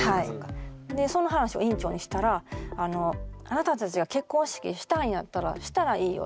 でその話を院長にしたら「あなたたちが結婚式したいんやったらしたらいいよ」